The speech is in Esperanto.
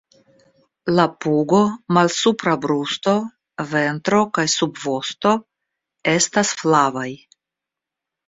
La pugo, malsupra brusto, ventro kaj subvosto estas flavaj.